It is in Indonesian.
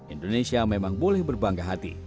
indonesia memang boleh berbangga hati